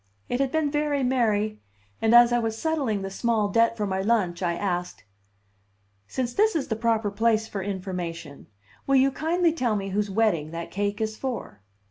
It had been very merry; and as I was settling the small debt for my lunch I asked: "Since this is the proper place for information, will you kindly tell me whose wedding that cake is for?"